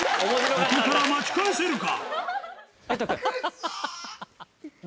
ここから巻き返せるか？